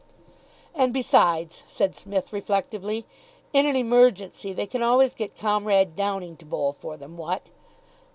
"And, besides," said Psmith, reflectively, "in an emergency they can always get Comrade Downing to bowl for them, what?